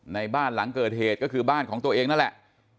ในบ้านหลังเกิดเหตุก็คือบ้านของตัวเองนั่นแหละ